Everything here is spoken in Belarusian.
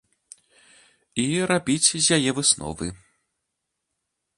І рабіць з яе высновы.